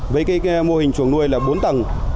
với cái mô hình chuồng nuôi là bốn tầng